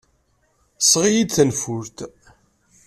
Seɣ-iyi-d tanfult.